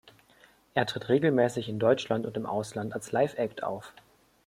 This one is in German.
Er tritt regelmäßig in Deutschland und im Ausland als Liveact auf.